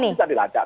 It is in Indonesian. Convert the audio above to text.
tidak bisa dilacak